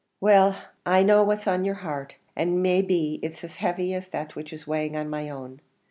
"Well! I know what's on your heart, and may be it's as heavy as that which is weighing on my own.